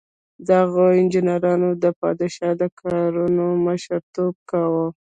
دغو انجینرانو د پادشاه د کارونو مشر توب کاوه.